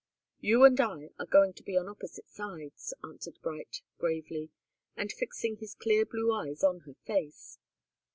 "You and I are going to be on opposite sides," answered Bright, gravely, and fixing his clear blue eyes on her face.